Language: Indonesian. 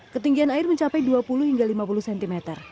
ketinggian air mencapai dua puluh hingga lima puluh cm